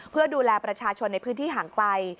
เพื่อดูแลประชาชนในพื้นที่ห่างไกล